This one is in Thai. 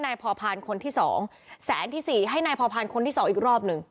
นายพอพานคนที่๒แสนที่๔ให้นายพอพานคนที่๒อีกรอบนึง